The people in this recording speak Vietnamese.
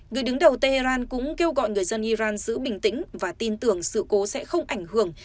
người đứng đầu tehran cũng kêu gọi người dân iran giữ bình tĩnh và tin tưởng sự cố sẽ không ảnh hưởng